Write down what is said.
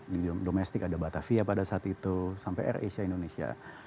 di domestik ada batavia pada saat itu sampai air asia indonesia